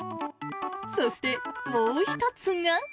そして、もう１つが。